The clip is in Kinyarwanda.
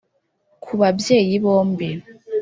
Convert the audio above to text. kubabyeyi bombi